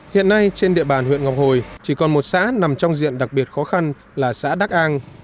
hiện nay trên địa bàn huyện ngọc hồi chỉ còn một xã nằm trong diện đặc biệt khó khăn là xã đắc an